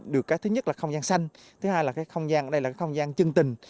được cái thứ nhất là không gian xanh thứ hai là cái không gian ở đây là cái không gian chân tình